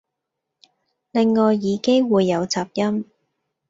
另外耳機會有雜音